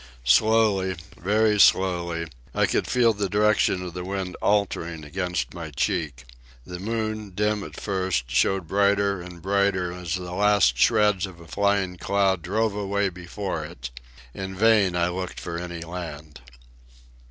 Slowly, very slowly, I could feel the direction of the wind altering against my cheek. The moon, dim at first, showed brighter and brighter as the last shreds of a flying cloud drove away from before it. In vain I looked for any land.